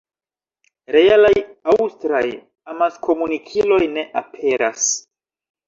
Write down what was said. Realaj aŭstraj amaskomunikiloj ne aperas.